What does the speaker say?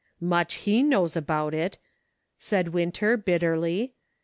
"Much he knows about it!" said Winter bit terly.